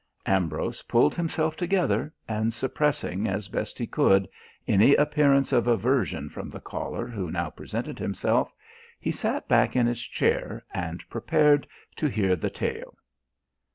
Ambrose pulled himself together and suppressing, as best he could, any appearance of aversion from the caller who now presented himself, he sat back in his chair and prepared to hear "the tale."